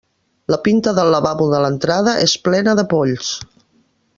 La pinta del lavabo de l'entrada és plena de polls.